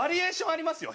ありますよね？